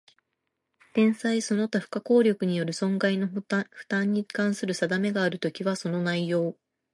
天災その他不可抗力による損害の負担に関する定めがあるときは、その内容